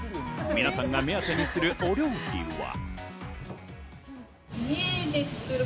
皆さんが目当てにするお料理は。